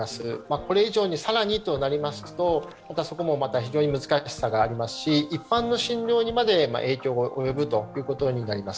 これ以上に更にとなりますと、またそこも非常に難しさがありますし、一般の診療にまで影響が及ぶことになります。